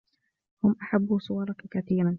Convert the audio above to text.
هم أحبوا صورك كثيرا.